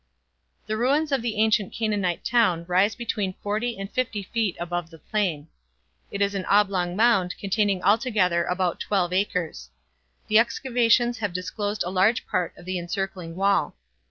The ruins of the ancient Canaanite town rise between forty and fifty feet above the plain. It is an oblong mound containing altogether about twelve acres. The excavations have disclosed a large part of the encircling wall.